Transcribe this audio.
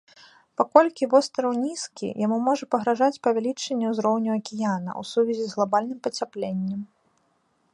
Паколькі востраў нізкі, яму можа пагражаць павелічэнне ўзроўню акіяна ў сувязі з глабальным пацяпленнем.